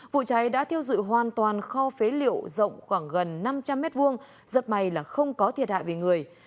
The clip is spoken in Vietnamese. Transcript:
vụ cháy đã thiêu dụi hoàn toàn kho phế liệu rộng khoảng gần năm trăm linh m hai rất may là không có thiệt hại về người